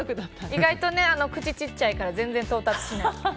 意外と口ちっちゃいから全然到達しない。